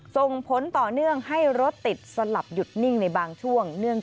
ส่งผลต่อเนื่องให้รถติดสลับหยุดนิ่งในบางช่วง